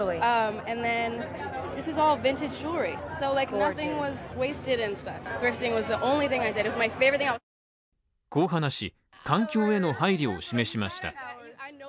こう話し、環境への配慮を示しました。